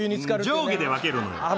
上下で分けるのよ。